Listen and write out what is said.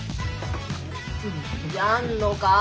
やんのか？